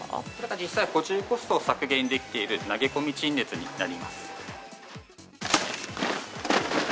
実際、補充コストを削減できている投げ込み陳列になります。